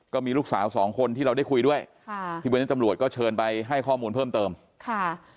ก็มีลูกสาวสองคนที่เราได้คุยด้วยค่ะที่วันนี้ตำรวจก็เชิญไปให้ข้อมูลเพิ่มเติมค่ะ